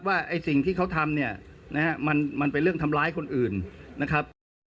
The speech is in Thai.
ไอ้สิ่งที่เขาทำเนี่ยนะฮะมันเป็นเรื่องทำร้ายคนอื่นนะครับ